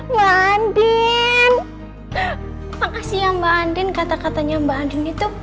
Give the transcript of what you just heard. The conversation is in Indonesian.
mbak andin makasih ya mbak andin kata katanya mbak andin itu